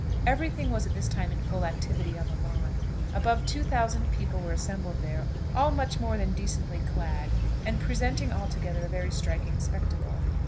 Every thing was at this time in full activity on the lawn. Above two thousand people were assembled there, all more more than decently clad, and presenting altogether a very striking spectacle.